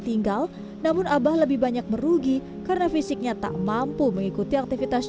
x ini takut banget jika non bimbo mitra fraudixo keren maks dib institut female